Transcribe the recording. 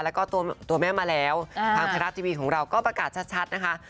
แล้วก็ตัวแม่มาแล้วทางไทยรัฐทีวีของเราก็ประกาศชัดนะคะ